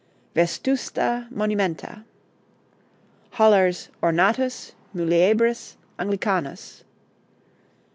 'Vestusta Monumenta.' Hollar's 'Ornatus Muliebris Anglicanus.'